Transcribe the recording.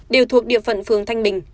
đều thuộc địa phận phường thanh bình